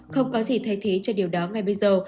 không có gì thay thế cho điều đó ngay bây giờ